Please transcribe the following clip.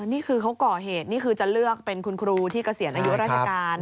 นี่คือเขาก่อเหตุนี่คือจะเลือกเป็นคุณครูที่เกษียณอายุราชการ